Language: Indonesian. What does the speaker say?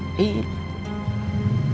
masalahnya pak saud